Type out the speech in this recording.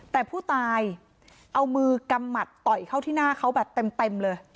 แต่ผู้ตายเอามือกำหมัดต่อยเข้าที่หน้าเขาแบบเต็มเลย